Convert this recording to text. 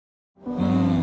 うん。